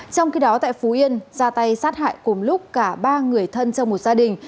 trong khi đó tại phú yên ra tay sát hại cùng lúc cả ba người thân trong một gia đình